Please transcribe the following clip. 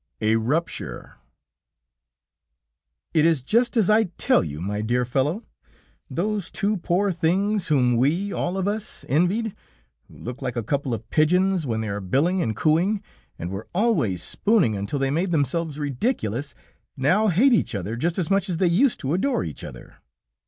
A RUPTURE "It is just as I tell you, my dear fellow, those two poor things whom we all of us envied, who looked like a couple of pigeons when they are billing and cooing, and were always spooning until they made themselves ridiculous, now hate each other just as much as they used to adore each other.